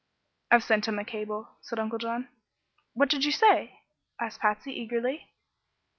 "I've sent him a cable," said Uncle John. "What did you say?" asked Patsy, eagerly.